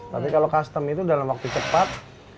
tapi kalau custom itu dalam waktu cepat